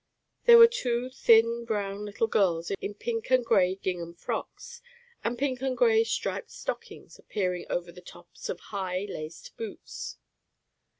There were two thin, brown little girls in pink and gray gingham frocks, and pink and gray striped stockings appearing over the tops of high, laced boots.